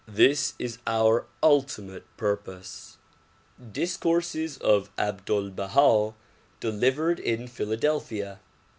This is our ultimate purpose, Discourses of Abdul Balia delivered in Philadelphia.